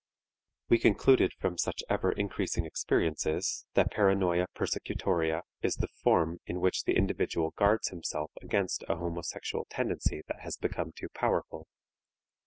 We concluded from such ever increasing experiences, that paranoia persecutoria is the form in which the individual guards himself against a homosexual tendency that has become too powerful.